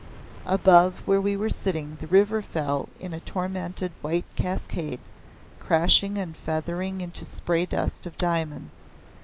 Above where we were sitting the river fell in a tormented white cascade, crashing and feathering into spray dust of diamonds.